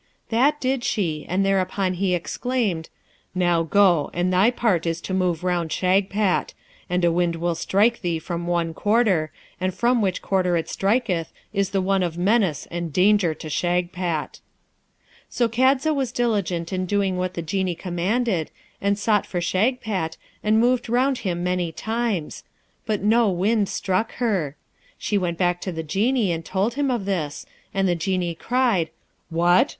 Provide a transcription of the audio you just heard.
That did she, and thereupon he exclaimed, 'Now go, and thy part is to move round Shagpat; and a wind will strike thee from one quarter, and from which quarter it striketh is the one of menace and danger to Shagpat.' So Kadza was diligent in doing what the Genie commanded, and sought for Shagpat, and moved round him many times; but no wind struck her. She went back to the Genie, and told him of this, and the Genie cried, 'What?